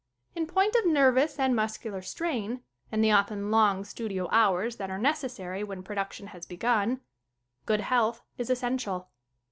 In point of nervous and muscular strain, and the often long studio hours that are necessary when production has begun, good health is essential.